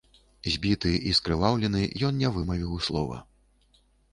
Збіты і скрываўлены, ён не вымавіў слова.